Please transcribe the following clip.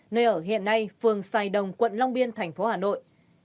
nơi ở hiện nay phường sài đồng quận long biên tp hà nội